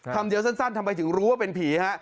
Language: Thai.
คำเดียวสั้นทำไมถึงรู้ว่าเป็นผีฮะ